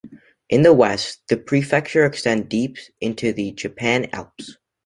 In the west, the prefecture extends deep into the Japan Alps.